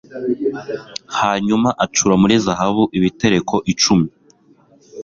hanyuma acura muri zahabu ibitereko icumi